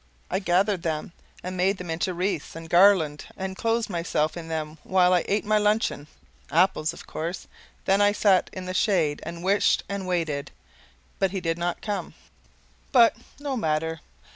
I gathered them, and made them into wreaths and garlands and clothed myself in them while I ate my luncheon apples, of course; then I sat in the shade and wished and waited. But he did not come. But no matter.